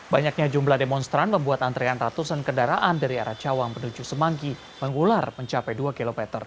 banyaknya jumlah demonstran membuat antrean ratusan kendaraan dari arah cawang menuju semanggi mengular mencapai dua km